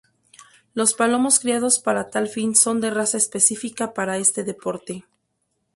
Los palomos criados para tal fin son de raza específica para este deporte.